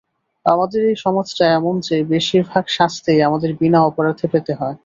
আমাদের এই সমাজটা এমন যে বেশির ভাগ শাস্তিই আমাদের বিনা অপরাধে পেতে হয়।